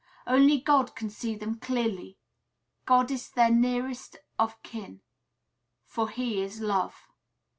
Only God can see them clearly. God is their nearest of kin; for He is love.